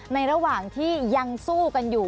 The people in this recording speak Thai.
ระหว่างที่ยังสู้กันอยู่